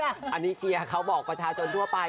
ไออันนี้เชี่ยเขาบอกประชาชนชัวร์ไป